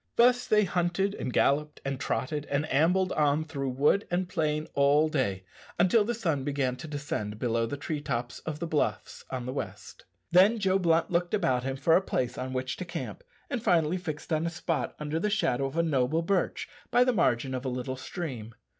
Thus they hunted and galloped, and trotted and ambled on through wood and plain all day, until the sun began to descend below the tree tops of the bluffs on the west. Then Joe Blunt looked about him for a place on which to camp, and finally fixed on a spot under the shadow of a noble birch by the margin of a little stream.